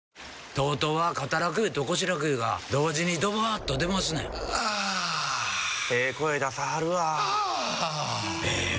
ＴＯＴＯは肩楽湯と腰楽湯が同時にドバーッと出ますねんあええ声出さはるわあええ